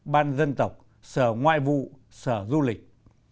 ban dân tộc sở ngoại vụ sở du lịch